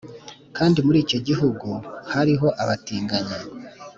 Kandi muri icyo gihugu hariho abatinganyi